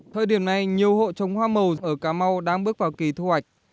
thời điểm này nhiều hộ trồng hoa màu ở cà mau đang bước vào kỳ thu hoạch